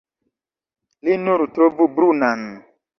Li nur trovu brunan.